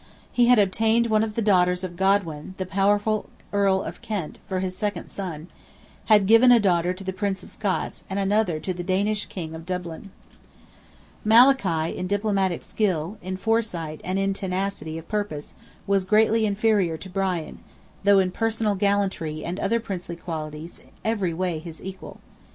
He had obtained one of the daughters of Godwin, the powerful Earl of Kent, for his second son; had given a daughter to the Prince of Scots, and another to the Danish King of Dublin. Malachy, in diplomatic skill, in foresight, and in tenacity of purpose, was greatly inferior to Brian, though in personal gallantry and other princely qualities, every way his equal.